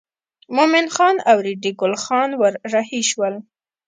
مومن خان او ریډي ګل خان ور رهي شول.